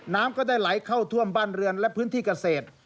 น้ำก็ได้ไหลเข้าท่วมบ้านเรือนและพื้นที่เกษตร